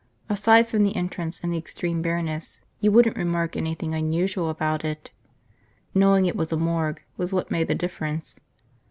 Aside from the entrance and the extreme bareness, you wouldn't remark anything unusual about it. Knowing it was a morgue was what made the difference.